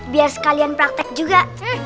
biar sekalian praktek juga